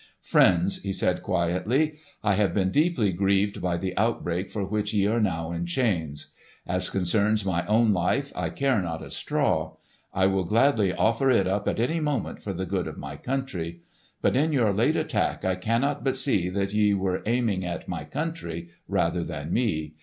"Friends," he said quietly, "I have been deeply grieved by the outbreak for which ye are now in chains. As concerns my own life, I care not a straw. I will gladly offer it up at any moment for the good of my country. But in your late attack I cannot but see that ye were aiming at my country rather than me.